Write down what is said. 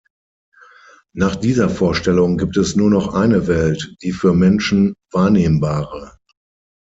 Nach dieser Vorstellung gibt es nur noch eine Welt, die für Menschen wahrnehmbare.